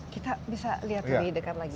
kita bisa lihat lebih dekat lagi